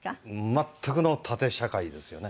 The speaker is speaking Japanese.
全くの縦社会ですよね。